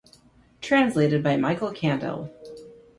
Translated by Michael Kandel.